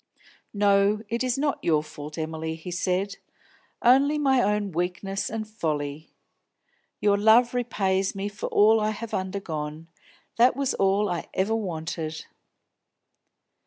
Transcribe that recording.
"No, it is not your fault, Emily," he said. "Only my own weakness and folly. Your love repays me for all I have undergone; that was all I ever wanted."